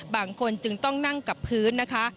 บางคนจึงต้องนั่งกับพื้นนะคะ